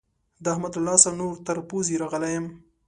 د احمد له لاسه نور تر پوزې راغلی يم.